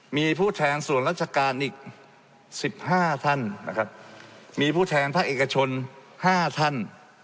มีผู้แทนส่วนราชการอีก๑๕ท่านนะครับมีผู้แทนภาคเอกชน๕ท่าน